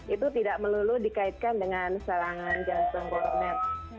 itu tidak melulu dikaitkan dengan serangan jantung koroner